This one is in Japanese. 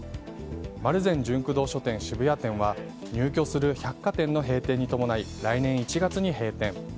丸善ジュンク堂書店渋谷店は入居する百貨店の閉店に伴い来年１月に閉店。